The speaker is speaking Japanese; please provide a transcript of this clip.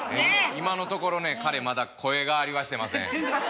今のところね彼まだ声変わりはしてません。